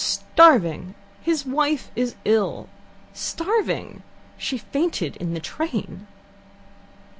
Starving. His wife is ill. Starving. She fainted in the train."